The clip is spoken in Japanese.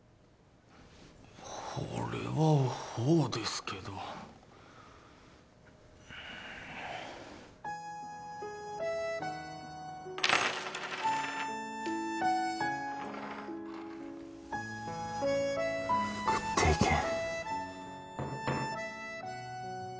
ほれはほうですけど食っていけん